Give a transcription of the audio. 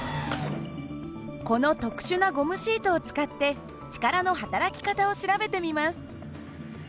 この特殊なゴムシートを使って力のはたらき方を調べてみます。